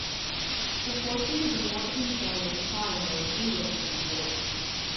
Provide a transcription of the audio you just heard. The fortunes of the Moreton family declined during the English Civil War.